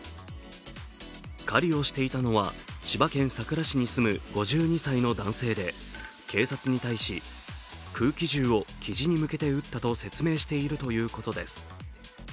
狩りをしていたのは千葉県佐倉市に住む５２歳の男性で警察に対し、空気銃をきじに向けて撃ったと説明しているということです。